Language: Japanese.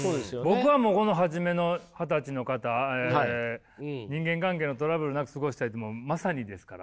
僕はこの初めの二十歳の方「人間関係のトラブルなく過ごしたい」ってもうまさにですから。